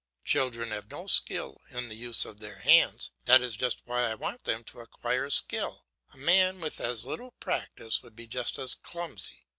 Children have no skill in the use of their hands. That is just why I want them to acquire skill; a man with as little practice would be just as clumsy.